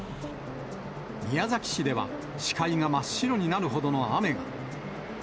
宮崎市では視界が真っ白になるほどの雨が。